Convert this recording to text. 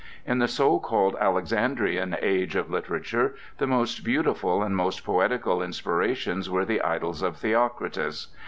In the so called Alexandrian age of literature the most beautiful and most poetical inspirations were the idyls of Theocritus.